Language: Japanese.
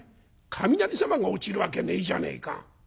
「雷様が落ちるわけねえじゃねえか。